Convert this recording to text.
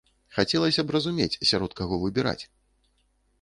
Хацелася б разумець, сярод каго выбіраць.